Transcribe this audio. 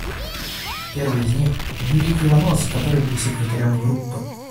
Первый из них — Юрий Кривонос, который был секретарем Группы.